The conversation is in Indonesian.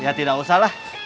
ya tidak usahlah